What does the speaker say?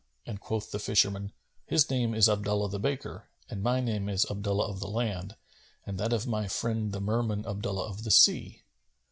and quoth the fisherman "His name is Abdullah the Baker; and my name is Abdullah of the Land and that of my friend the Merman Abdullah of the Sea."